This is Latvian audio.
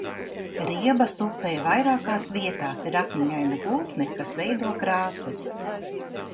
Riebas upē vairākās vietās ir akmeņaina gultne, kas veido krāces.